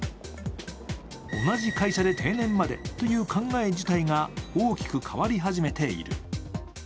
同じ会社で定年までという考え自体が大きく変わり始めている。